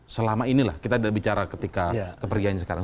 selama inilah kita bicara ketika kepergiannya sekarang